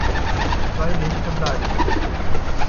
Zwei Leben verbleibend.